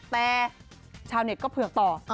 แต่ชาวเน็ตก็เผือกต่อ